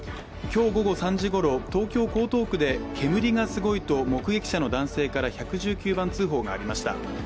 今日午後３時ごろ、東京・江東区で煙がすごいと目撃者の男性から１１９番通報がありました。